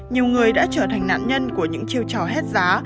nhiều người đã trở thành nạn nhân của những chiêu trò hết giá